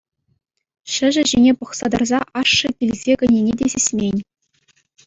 Çĕçĕ ҫине пӑхса тӑрса ашшӗ килсе кӗнине те сисмен.